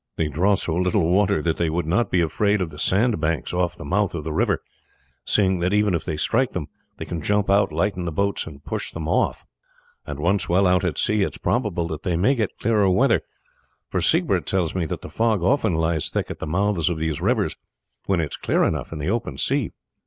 They draw so little water that they would not be afraid of the sandbanks off the mouth of the river, seeing that even if they strike them they can jump out, lighten the boats, and push them off; and once well out at sea it is probable that they may get clearer weather, for Siegbert tells me that the fog often lies thick at the mouths of these rivers when it is clear enough in the open sea."